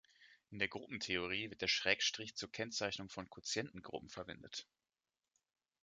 In der Gruppentheorie wird der Schrägstrich zur Kennzeichnung von Quotientengruppen verwendet.